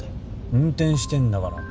運転してんだから。